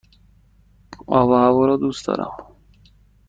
آب و هوا را دوست دارم.